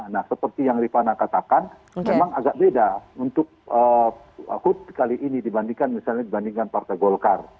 nah seperti yang rifana katakan memang agak beda untuk hut kali ini dibandingkan misalnya dibandingkan partai golkar